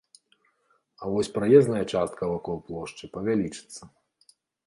А вось праезная частка вакол плошчы павялічыцца.